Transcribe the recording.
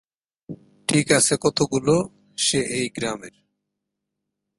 ঠিক আছে কতগুলো সে এই গ্রামের।